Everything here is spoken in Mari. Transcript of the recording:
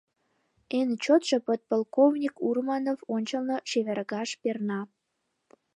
Эн чотшо подполковник Урманов ончылно чевергаш перна.